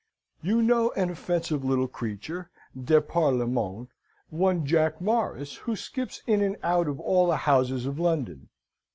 "You know an offensive little creature, de par le monde, one Jack Morris, who skips in and out of all the houses of London.